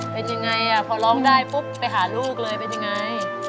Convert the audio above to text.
เป็นยังไงพอร้องได้ปุ๊บไปหาลูกเลยเป็นยังไง